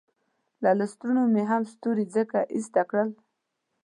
له لستوڼو مې هم ستوري ځکه ایسته کړل.